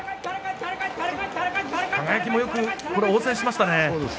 輝もよく応戦しましたね。